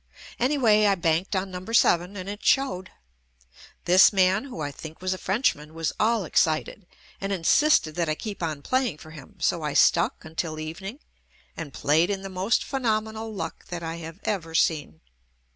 Anyway I banked on number seven and it showed. This man who I think was a French man, was all excited, and insisted that I keep on playing for him, so I stuck until evening and played in the most phenomenal luck that I have ever seen.